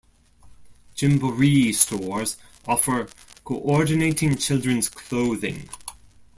Gymboree stores offer coordinating children's clothing.